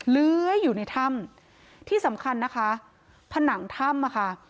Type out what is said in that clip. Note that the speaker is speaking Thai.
เลื้อยอยู่ในถ้ำที่สำคัญนะคะผนังถ้ำอะค่ะ